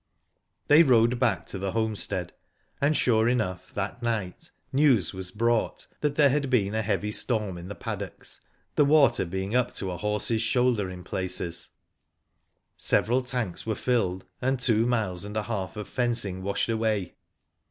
They rode back to the homestead, and sure enough that night news was brought that there had been a heavy storm in the paddocks, the water being up to a horse's shoulder in places, several tanks were filled, and two miles and a half of fencing washed away.